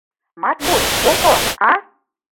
— Матвуй, колто, а?